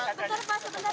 dan buku ini pasti akan ada